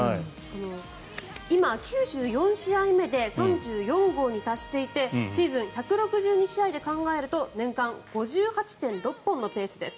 今、９４試合目で３４号に達していてシーズン１６２試合で考えると年間５８．６本のペースです。